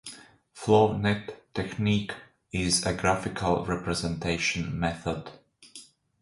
Flow net technique is a graphical representation method.